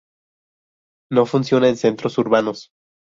No funciona en Centros Urbanos.